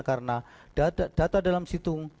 karena data dalam situng